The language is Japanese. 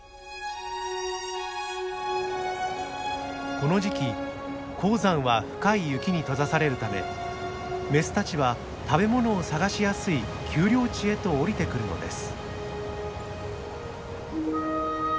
この時期高山は深い雪に閉ざされるためメスたちは食べ物を探しやすい丘陵地へと下りてくるのです。